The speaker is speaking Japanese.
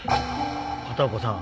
片岡さん